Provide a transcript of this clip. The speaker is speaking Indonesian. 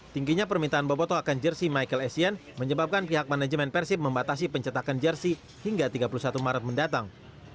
tingginya permintaan bobotoh akan jersey michael essien menyebabkan pihak manajemen persib membatasi pencetakan jersey hingga tiga puluh satu maret mendatang